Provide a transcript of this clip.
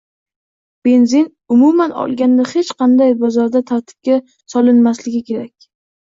Benzin, umuman olganda, hech qanday bozorda tartibga solinmasligi kerak